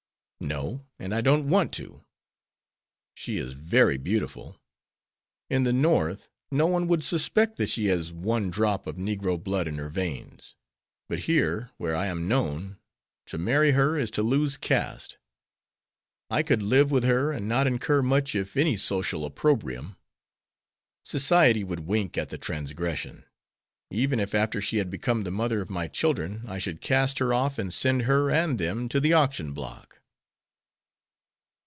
"No; and I don't want to." "She is very beautiful. In the North no one would suspect that she has one drop of negro blood in her veins, but here, where I am known, to marry her is to lose caste. I could live with her, and not incur much if any social opprobrium. Society would wink at the transgression, even if after she had become the mother of my children I should cast her off and send her and them to the auction block."